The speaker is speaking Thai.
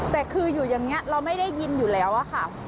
แต่คืออยู่อย่างนี้เราไม่ได้ยินอยู่แล้วอะค่ะ